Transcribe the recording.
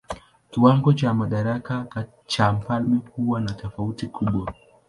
Kiwango cha madaraka cha mfalme huwa na tofauti kubwa.